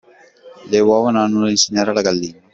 Le uova non hanno nulla da insegnare alla gallina.